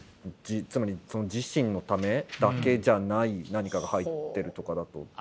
つまり自身のためだけじゃない何かが入ってるとかだと。